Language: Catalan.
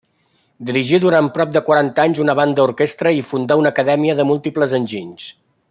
Dirigí durant prop de quaranta anys una banda-orquestra i fundà una acadèmia de múltiples enginys.